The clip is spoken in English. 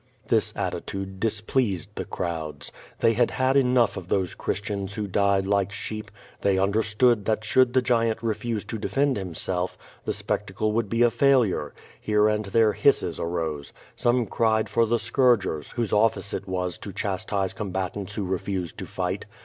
This attitude displeased the crowds. They had had enough of those Christians who died like sheep; they understood that should the giant refuse to defend himself, the spectacle would be a failure. Here and there hisses arose. Some cried for the scourgers, whose office it was to chastise combatants who refused to fight.